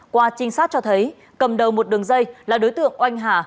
qua trinh sát cho thấy cầm đầu một đường dây là đối tượng oanh hà